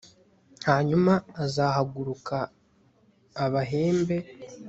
hanyuma azahaguruka abahembe